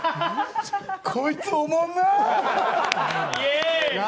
こいつ、おもんな。